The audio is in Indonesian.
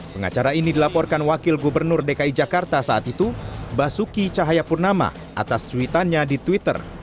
pengacara ini dilaporkan wakil gubernur dki jakarta saat itu basuki cahayapurnama atas cuitannya di twitter